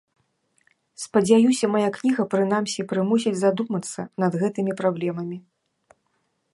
Спадзяюся, мая кніга, прынамсі, прымусіць задумацца над гэтымі праблемамі.